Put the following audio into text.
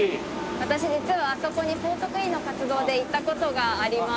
私実はあそこにポートクイーンの活動で行った事があります。